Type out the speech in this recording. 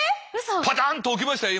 パタンと置きましたよ